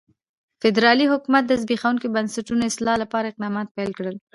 فدرالي حکومت د زبېښونکو بنسټونو اصلاح لپاره اقدامات پیل کړل.